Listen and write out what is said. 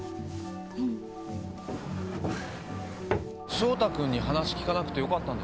翔太君に話聞かなくてよかったんですか？